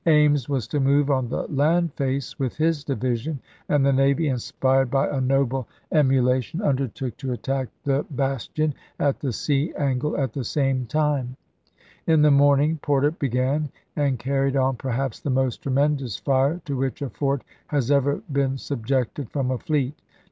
Ames was to move on the land face with his division, and the navy, inspired by a noble emulation, undertook to attack the bastion at the sea angle at the same time. In the morning coi.wiiiiam Porter began and carried on perhaps the most •Southern tremendous fire to which a fort has ever been sub society) jected from a fleet.